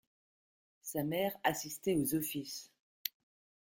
Sa mère assistait aux offices.